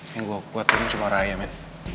yang gue kuat tuh kan cuma raya men